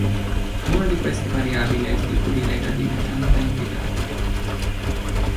Una di queste variabili è il tipo di lega di metallo da impiegare.